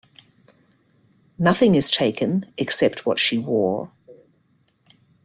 Nothing is taken except what she wore.